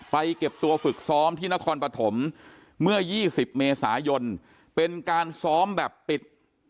เก็บตัวฝึกซ้อมที่นครปฐมเมื่อ๒๐เมษายนเป็นการซ้อมแบบปิด